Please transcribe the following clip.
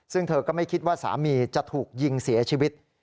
ซึ่งเธอก็ไม่คิดว่าสามีจะถูกยิงเสียชีวิต